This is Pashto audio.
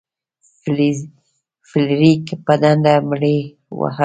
فلیریک په ډنډه مړي وهل.